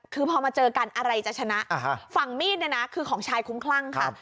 คือพอมาเจอกันอะไรจะชนะฝั่งมีดเนี่ยนะคือของชายคุ้มคลั่งค่ะ